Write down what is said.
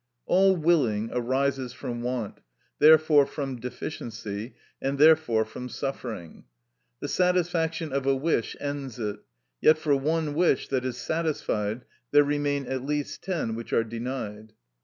All willing arises from want, therefore from deficiency, and therefore from suffering. The satisfaction of a wish ends it; yet for one wish that is satisfied there remain at least ten which are denied.